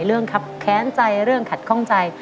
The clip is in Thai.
ครับแค้นใจเรื่องขัดข้องใจ